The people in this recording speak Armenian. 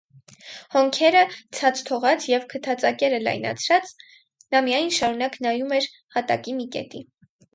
Հոնքերը ցած թողած և քթածակերը լայնացրած՝ նա միայն շարունակ նայում էր հատակի մի կետի: